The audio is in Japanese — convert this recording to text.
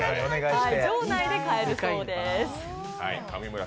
場内で買えるそうです。